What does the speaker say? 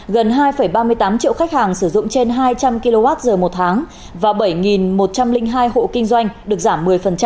gần hai ba mươi tám triệu khách hàng sử dụng trên hai trăm linh kwh một tháng và bảy một trăm linh hai hộ kinh doanh được giảm một mươi